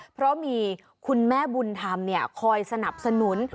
เพราะมีคุณแม่บุญธรรมคอยสนับสนุน